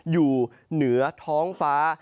อยู่เหนือท้องฟ้า